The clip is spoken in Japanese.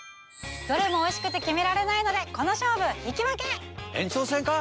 どれもおいしくて決められないのでこの勝負引き分け！延長戦か？